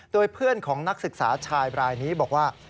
โดยเพื่อนของนักศึกษาชายบรายนี้บอกว่า